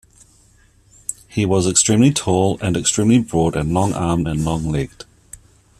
He was extremely tall, and extremely broad, and long-armed, and long-legged.